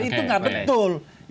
itu tidak betul